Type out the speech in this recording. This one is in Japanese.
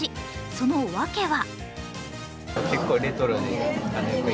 その訳は？